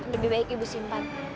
lebih baik ibu simpan